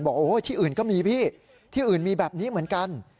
ที่อื่นก็มีพี่ที่อื่นมีแบบนี้เหมือนกัน